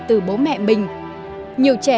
từ bố mẹ mình